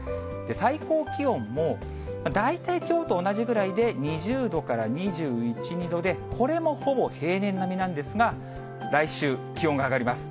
最高気温も、大体きょうと同じぐらいで、２０度から２１、２度で、これもほぼ平年並みなんですが、来週、気温が上がります。